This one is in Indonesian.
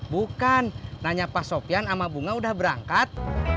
bukan nanya pak sofian sama bunga udah berangkat